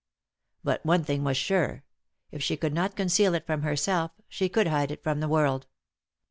But one thing was sure — if she could not conceal it from herself she could hide it from the world.